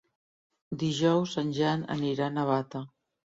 Dijous en Jan anirà a Navata.